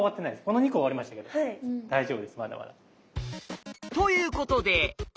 この２個は終わりましたけど大丈夫ですまだまだ。ということで。